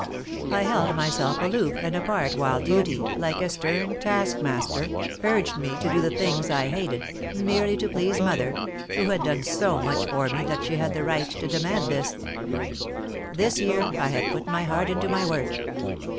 I held myself aloof and apart while Duty, like a stern taskmaster, urged me to the things I hated, merely to please Mother, who had done so much for me that she had the right to demand this. [Sidenote: No Longer Apart] "This year I have put my heart into my work.